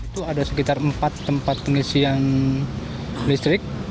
di kota cirebon ada empat tempat pengisian listrik